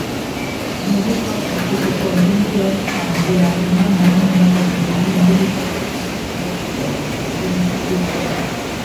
Wanajeshi hao wametajwa kuwa “Jean Pierre Habyarimana mwenye namba za usajili mbili saba saba saba tisa na John Muhindi Uwajeneza